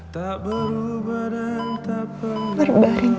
tak berubah dan tak pernah